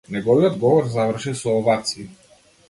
Неговиот говор заврши со овации.